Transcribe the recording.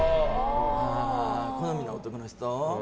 好みの男の人？